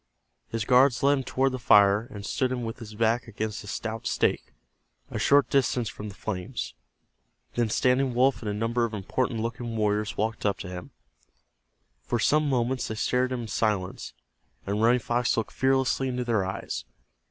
His guards led him toward the fire, and stood him with his back against a stout stake, a short distance from the flames. Then Standing Wolf and a number of important looking warriors walked up to him. For some moments they stared at him in silence, and Running Fox looked fearlessly into their eyes.